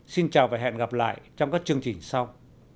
xin chào và hẹn gặp lại trong các chương trình sau